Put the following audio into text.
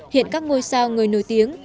hiện các ngôi sao người nổi tiếng